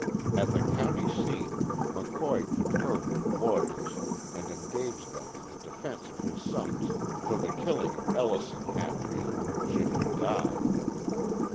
At the county seat McCoy conferred with lawyers and engaged them in the defence of his sons for the killing of Ellison Hatfield, should he die.